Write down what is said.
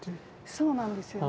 そうなんですよね。